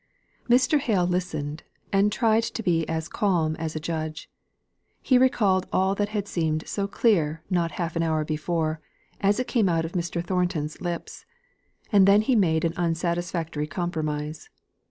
Mr. Hale listened, and tried to be as calm as a judge; he recalled all that had seemed so clear not half an hour before, as it came out of Mr. Thornton's lips; and then he made an unsatisfactory compromise.